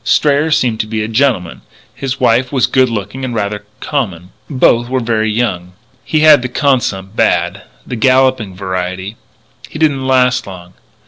Strayer seemed to be a gentleman; his wife was good looking and rather common. Both were very young. He had the consump bad the galloping variety. He didn't last long.